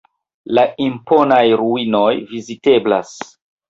La imponaj ruinoj viziteblas.